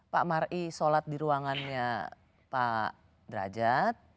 pak mari sholat di ruangannya pak derajat